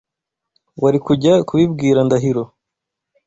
Wari kujya kubibwira Ndahiro ?